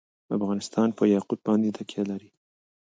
افغانستان په یاقوت باندې تکیه لري.